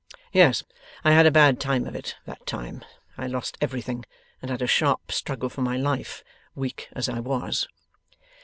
Yes, I had a bad time of it, that time. I lost everything, and had a sharp struggle for my life, weak as I was.